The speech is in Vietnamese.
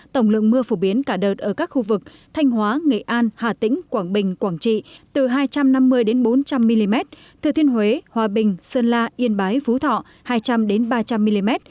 trả đợt ở các khu vực thanh hóa nghệ an hà tĩnh quảng bình quảng trị từ hai trăm năm mươi bốn trăm linh mm thừa tiên huế hòa bình sơn la yên bái phú thọ hai trăm linh ba trăm linh mm